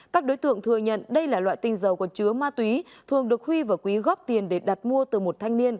các đối tượng thừa nhận đây là loại tinh dầu có chứa ma túy thường được huy và quý góp tiền để đặt mua từ một thanh niên